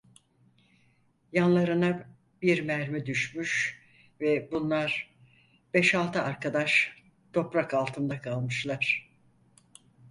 Yanlarına bir mermi düşmüş ve bunlar beş altı arkadaş toprak altında kalmışlar.